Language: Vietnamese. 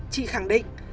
chị khẳng định